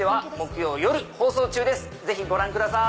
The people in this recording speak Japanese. ぜひご覧ください！